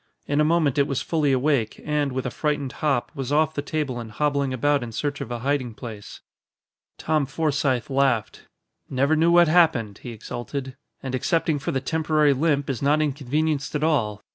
In a moment it was fully awake and, with a frightened hop, was off the table and hobbling about in search of a hiding place. Tom Forsythe laughed. "Never knew what happened," he exulted, "and excepting for the temporary limp is not inconvenienced at all.